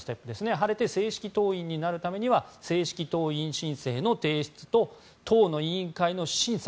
晴れて正式党員になるためには正式党員申請の提出と党の委員会の審査。